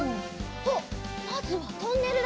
おっまずはトンネルだ。